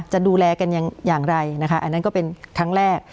จะดูแลกันอย่างไรนะคะอันนั้นก็เป็นครั้งแรก